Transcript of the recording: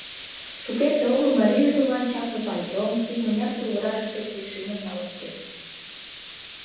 Шукерте огыл марийже тудлан чапле пальтом, икмыняр тувыраш крепдешиным налын пуэн.